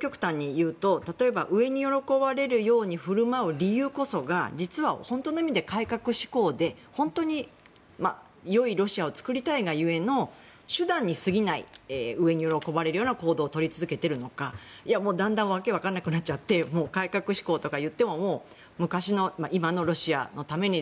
例えば、上に喜ばれるように振る舞う理由こそが実は本当の意味で改革志向で本当にいいロシアを作りたいゆえの手段に過ぎない上に喜ばれるような行動をとり続けているのかだんだん訳分からなくなっちゃって改革志向といっても昔のロシアのために